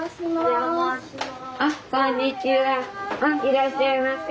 いらっしゃいませ。